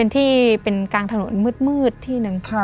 ที่เป็นกลางถนนมืดที่หนึ่ง